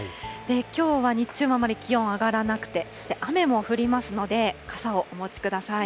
きょうは日中もあまり気温上がらなくて、そして雨も降りますので、傘をお持ちください。